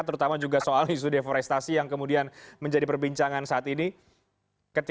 terutama juga soal isu deforestasi yang kemudian menjadi perbincangan saat ini